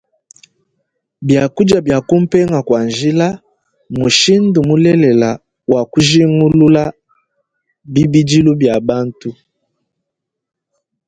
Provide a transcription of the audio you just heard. Biakudia bia kumpenga kua njila mmushindu mulelela wa kujingulula bibidilu bia bantu.